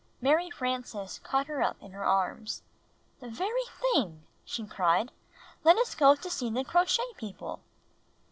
Mary Frances caught her up in her arms. "The very thing!" she cried. "Let us go see the Crochet People."